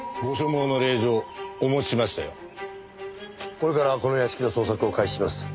これからこの屋敷の捜索を開始します。